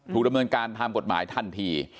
ถูกระเมินการทำกดหมายทันที